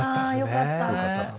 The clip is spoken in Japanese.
あよかった。